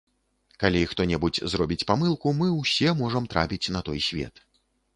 Калі хто-небудзь зробіць памылку, мы ўсе можам трапіць на той свет.